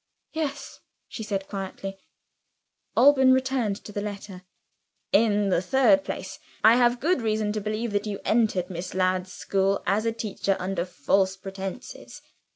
"Yes," she said quietly. Alban returned to the letter. "In the third place, I have good reason to believe that you entered Miss Ladd's school as a teacher, under false pretenses.